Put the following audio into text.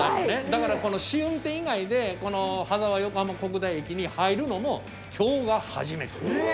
だからこの試運転以外でこの羽沢横浜国大駅に入るのも今日が初めて。